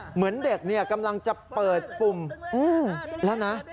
เหมือนเด็กกำลังจะเปิดปุ่มแล้วนะ